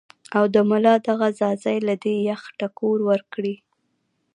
او د ملا دغه ځائے له دې يخ ټکور ورکړي -